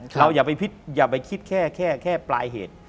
อย่าไปคิดแค่ปลายเหตุ